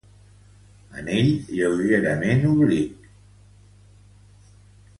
Anell lleugerament oblic.